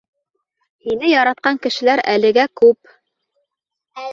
Һине яратҡан кешеләр әлегә күп!